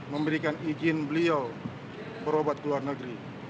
memberikan izin beliau berobat ke luar negeri